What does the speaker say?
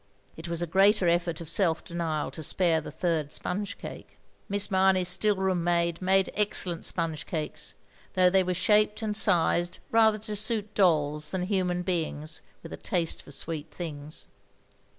It was a greater effort of self denial to spare the third sponge cake. Miss Mamey's still room maid made excellent sponge cakes, though they were shaped and sized rather to stiit dolls than human beings with a taste for sweet things.